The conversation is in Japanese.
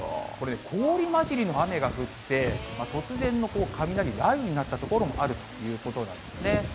氷交じりの雨が降って、突然の雷、雷雨になった所もあるということなんですね。